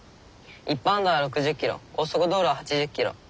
一般道は６０キロ高速道路は８０キロ。